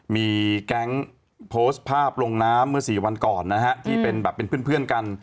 มีแก๊งโพสต์ภาพลงน้ำเมื่อ๔วันก่อนที่เป็นเพื่อนกัน